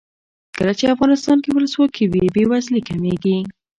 کله چې افغانستان کې ولسواکي وي بې وزلي کمیږي.